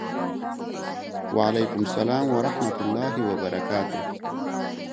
وعلیکم سلام ورحمة الله وبرکاته